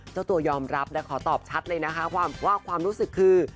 เจ้าตัวยอมรับและขอตอบชัดเลยนะคะว่าความรู้สึกคือ